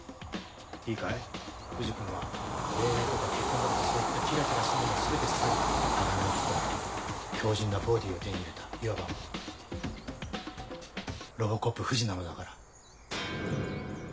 いいかい藤君は恋愛とか結婚だとかそういったキラキラしたものを全て捨て去り鋼の心と強靱なボディーを手に入れたいわばロボコップ藤なのだから。